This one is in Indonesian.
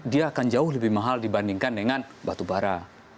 dia akan jauh lebih mahal dibandingkan dengan batubara